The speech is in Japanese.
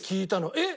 えっ！